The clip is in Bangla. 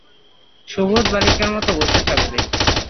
সুবোধ বালিকার মতো বসে থাকব।